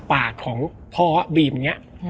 แล้วสักครั้งหนึ่งเขารู้สึกอึดอัดที่หน้าอก